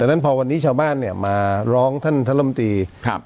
ดังนั้นพอวันนี้ชาวบ้านเนี่ยมาร้องท่านท่านลำตีครับ